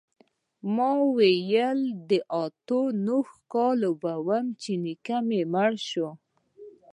ومې ويل د اتو نهو کالو به وم چې نيکه مړ سو.